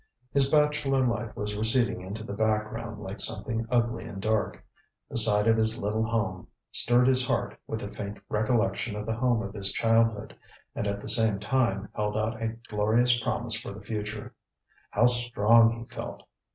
His bachelor life was receding into the background like something ugly and dark; the sight of his little home stirred his heart with a faint recollection of the home of his childhood, and at the same time held out a glorious promise for the future. How strong he felt!